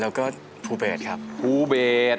แล้วก็ภูเบสครับภูเบส